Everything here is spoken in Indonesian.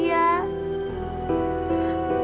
dia cinta sama dia